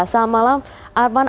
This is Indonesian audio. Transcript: selamat malam arman